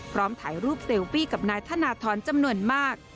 ถ่ายรูปเซลฟี่กับนายธนทรจำนวนมาก